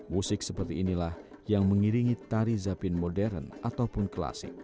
musik seperti inilah yang mengiringi tari zapin modern ataupun klasik